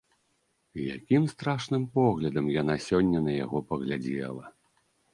Якім страшным поглядам яна сёння на яго паглядзела!